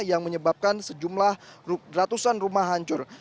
yang menyebabkan sejumlah ratusan rumah hancur